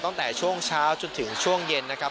ตั้งแต่ช่วงเช้าจนถึงช่วงเย็นนะครับ